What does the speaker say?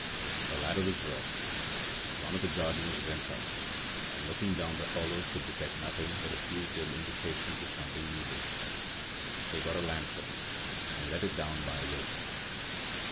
A ladder was brought, and one of the gardeners went up, and, looking down the hollow, could detect nothing but a few dim indications of something moving. They got a lantern, and let it down by a rope.